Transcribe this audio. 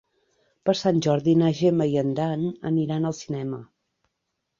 Per Sant Jordi na Gemma i en Dan aniran al cinema.